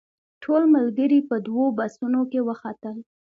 ټول ملګري په دوو بسونو کې وختل.